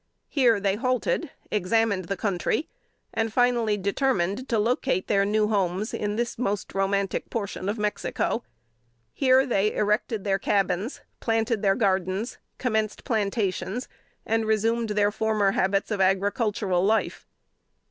Here they halted, examined the country, and finally determined to locate their new homes in this most romantic portion of Mexico. Here they erected their cabins, planted their gardens, commenced plantations, and resumed their former habits of agricultural life.